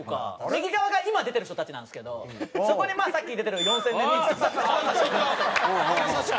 右側が今出てる人たちなんですけどそこにさっき出てる４０００年に一度咲く金指。